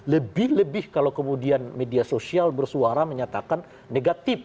lebih lebih kalau kemudian media sosial bersuara menyatakan negatif